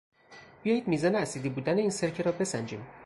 بیایید میزان اسیدی بودن این سرکه را بسنجیم.